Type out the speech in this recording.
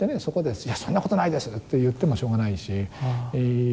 そこで「いやそんなことないです！」と言ってもしようがないし。